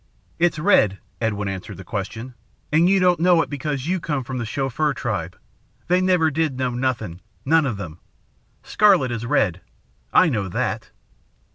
"It's red," Edwin answered the question. "And you don't know it because you come from the Chauffeur Tribe. They never did know nothing, none of them. Scarlet is red I know that."